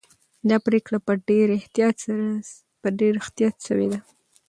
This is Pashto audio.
دا پرېکړه په ډېر احتیاط سوې ده.